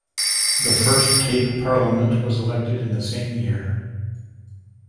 The first Cape Parliament was elected in the same year.